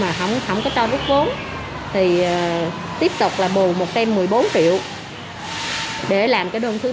mà không có cao rút vốn thì tiếp tục là bù một trăm một mươi bốn triệu để làm cái đơn thứ ba